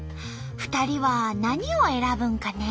２人は何を選ぶんかね？